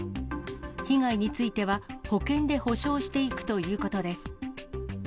被害については保険で補償していくということです。